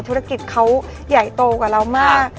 ธุรกิจเขาใหญ่โตกว่าเรามาก